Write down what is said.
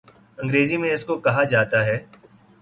انگریزی میں اس کو کہا جاتا ہے